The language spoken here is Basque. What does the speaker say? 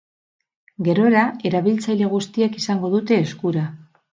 Gerora, erabiltzaile guztiek izango dute eskura.